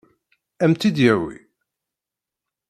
Ad m-tt-id-yawi?